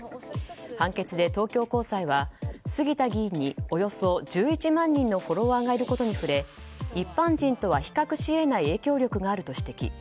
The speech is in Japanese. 判決で東京高裁は杉田議員におよそ１１万人のフォロワーがいることに触れ一般人とは比較し得ない影響力があると指摘。